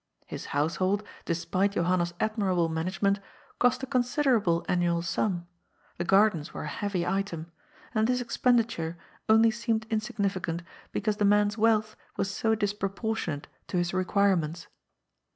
His household, despite Jo hanna's admirable management, cost a considerable annual sum — ^the gardens were a heavy item — and this expenditure only seemed insignificant because the man's wealth was so disproportionate to his requirements.